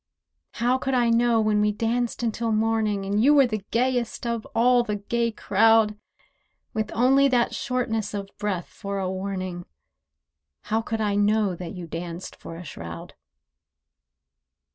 How could I know when we danced until morning, And you were the gayest of all the gay crowd— With only that shortness of breath for a warning, How could I know that you danced for a shroud?